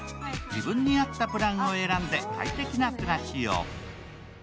自分に合ったプランを選んで快適な暮らしを。